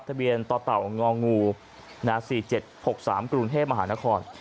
ทะเบียนต่อเต่างงู๔๗๖๓กรุงเทพมหานคร